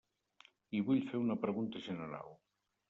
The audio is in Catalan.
I vull fer una pregunta general.